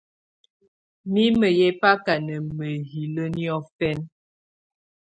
Mimǝ̀ yɛ baka nà mahilǝ niɔ̀fɛna.